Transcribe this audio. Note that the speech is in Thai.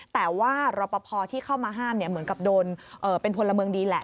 แต่ว่ารอปภที่เข้ามาห้ามเหมือนกับโดนเป็นพลเมืองดีแหละ